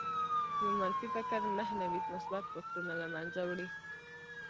يو منفي فکر نهه نوي مثبت فکرونه لمنځه وړي